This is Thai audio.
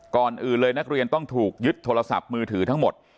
ก่อนอื่นเลยนักเรียนต้องถูกยึดโทรศัพท์มือถือทั้งหมด